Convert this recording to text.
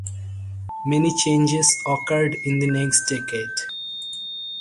Many changes occurred in the next decade.